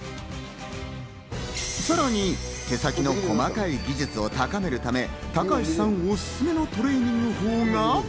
さらに手先の細かい技術を高めるため、高橋さんおすすめのトレーニング法が。